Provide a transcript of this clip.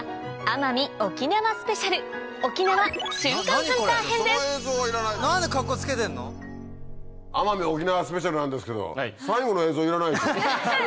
奄美・沖縄スペシャルなんですけど最後の映像いらないでしょ。